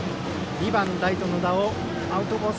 ２番、ライト、野田をアウトコース